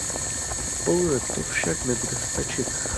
Pouze to však nebude stačit.